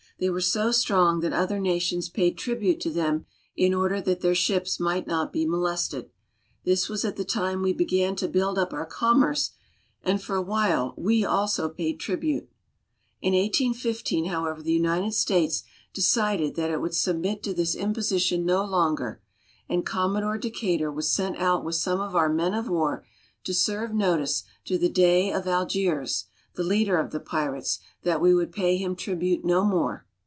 They were so strong that other nations paid tribute to them in order that their ships might not be molested. This was at the time we began to build up our commerce, and for a while we also paid tribute. In 1815, however, the United States decided that it ALGERIA. GENERAL VIEW 35 would submit to this imposition no longer, and Commodore Decatur was sent out with some of our men of war to serve notice to the Dey of Algiers (al jerz'), the leader of the pirates, that we would pay him tribute no more.